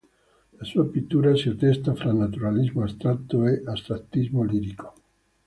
La sua pittura si attesta fra naturalismo astratto e astrattismo lirico.